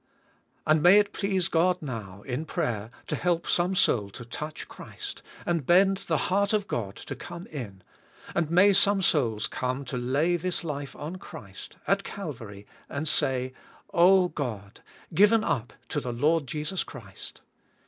And may it please God now, in prayer, to help some soul to touch Christ, and bend the heart to God to come in, and may some souls come to lay this life on Christ, at Calvary, and say. Oh ! God, g iven up to the Lord Jesus Christ.